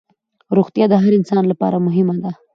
روغتیا د هر انسان لپاره مهمه ده